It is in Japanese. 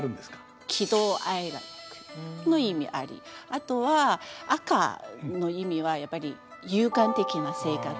あとは赤の意味はやっぱり勇敢的な性格。